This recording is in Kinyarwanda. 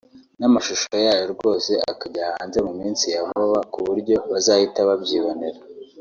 n’amashusho yayo rwose azajya hanze mu minsi ya vuba kuburyo abantu bazahita babyibonera